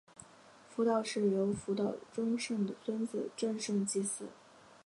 福岛氏由福岛忠胜的孙子正胜继嗣。